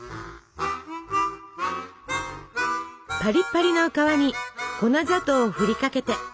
パリパリの皮に粉砂糖を振りかけて。